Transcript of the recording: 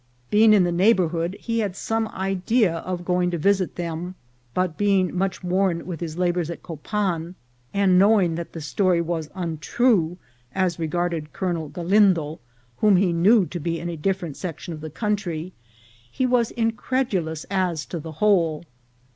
Being in the neighbourhood, he had some idea of going to visit them ; but, being much worn with his labours at Copan, and knowing that the story was untrue as re garded Colonel Galindo, whom he knew to be in a dif ferent section of the country, he was incredulous as to the whole.